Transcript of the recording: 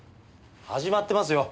始まってますよ！